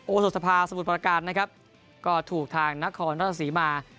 โศสภาสมุทรประการนะครับก็ถูกทางนครราชศรีมา